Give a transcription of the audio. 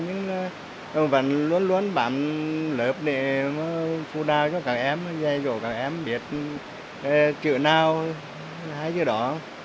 nhưng vẫn luôn luôn bản lớp để phụ đào cho các em dạy dỗ các em biết chữ nào hay chữ đó